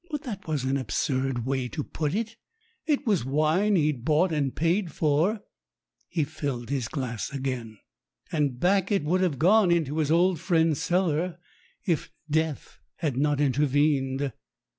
But that was an absurd way to put it. It was wine he'd bought and paid for (he filled his glass again). And back it would have gone into his old friend's cellar if death had not intervened.